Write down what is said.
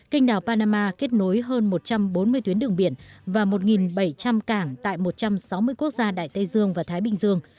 kênh đảo panama kết nối hơn một trăm bốn mươi tuyến đường biển và một bảy trăm linh cảng tại một trăm sáu mươi quốc gia đại tây dương và thái bình dương